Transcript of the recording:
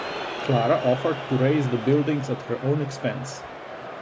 Clara offered to raze the building at her own expense.